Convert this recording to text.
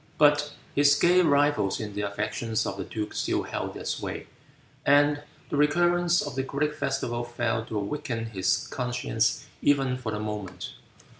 But his gay rivals in the affections of the duke still held their sway, and the recurrence of the great festival failed to awaken his conscience even for the moment.